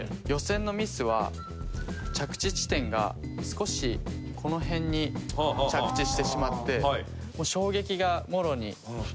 予選のミスは、着地地点が少しこの辺に着地してしまって衝撃がモロに。